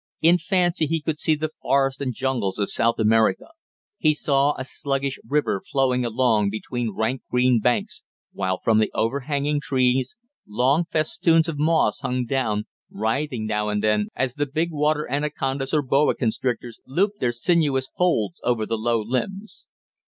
In fancy he could see the forest and jungles of South America. He saw a sluggish river flowing along between rank green banks, while, from the overhanging trees, long festoons of moss hung down, writhing now and then as the big water anacondas or boa constrictors looped their sinuous folds over the low limbs.